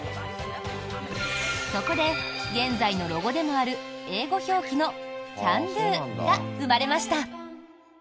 そこで、現在のロゴでもある英語表記のＣａｎ★Ｄｏが生まれました。